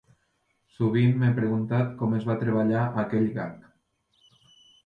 Sovint m'he preguntat com es va treballar aquell gag.